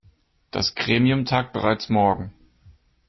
Das Gremium tagt bereits morgen.